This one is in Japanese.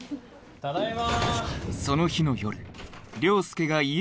ただいま！